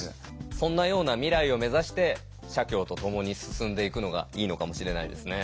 そんなような未来を目指して社協と共に進んでいくのがいいのかもしれないですね。